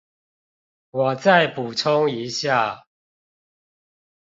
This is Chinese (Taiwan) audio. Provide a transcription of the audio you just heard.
我再補充一下